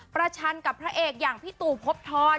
ชันกับพระเอกอย่างพี่ตู่พบทร